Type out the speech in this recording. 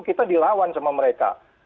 kita dilawan sama mereka